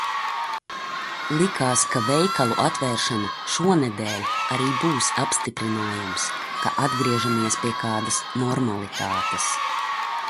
Likās, ka veikalu atvēršana šonedēļ arī būs apstiprinājums, ka atgriežamies pie kādas normalitātes.